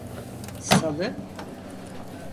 Salı…